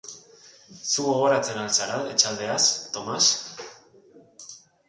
Zu gogoratzen al zara etxaldeaz, Tomas?